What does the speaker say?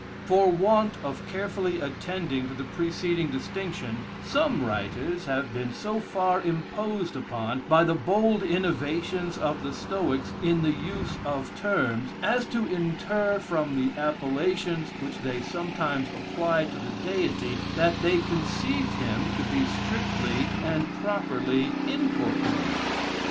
For want of carefully attending to the preceding distinction, some writers have been so far imposed upon, by the bold innovations of the Stoics in the use of terms, as to inter from the appellations which they sometimes apply to the Deity, that they conceived him to be strictly and properly incorporeal.